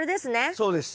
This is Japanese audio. そうです。